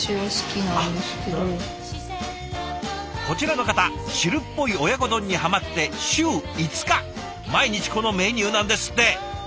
こちらの方汁っぽい親子丼にはまって週５日毎日このメニューなんですって。